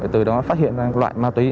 từ đó phát hiện ra loại ma túy